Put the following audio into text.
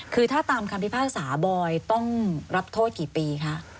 คือถ้าตามคำพิพากษาบอยต้องรับโทษกี่ปีคะ